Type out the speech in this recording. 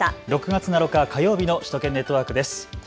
６月７日、火曜日の首都圏ネットワークです。